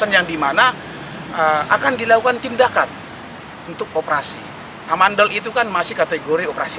yang dimana akan dilakukan tindakan untuk operasi amandel itu kan masih kategori operasi